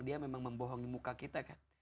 dia memang membohongi muka kita kan